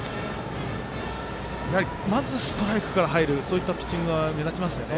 まずストライクから入るそういったピッチングが目立ちますね。